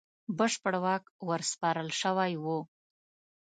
بشپړ واک ورسپارل شوی وو.